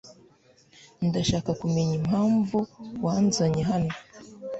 Ndashaka kumenya impamvu wanzanye hano.